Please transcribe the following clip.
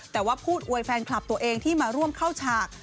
แต่ว่าพูดอวยแฟนคลับตัวเองที่มาร่วมเข้าฉาก